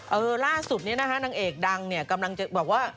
เออล่าสุดนี้นะคะนางเอกดังเนี่ยกำลังจะบอกว่า